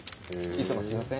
いつもすいません。